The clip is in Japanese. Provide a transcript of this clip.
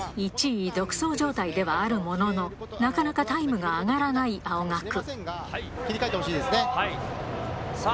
１位独走状態ではあるものの、なかなかタイムが上がらない青学。